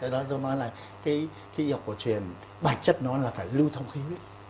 tôi nói là cái hiệu quả truyền bản chất nó là phải lưu thông khí huyết